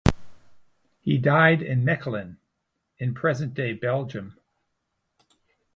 He died in Mechelen, in present-day Belgium.